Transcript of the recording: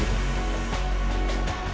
gimana keadaan clara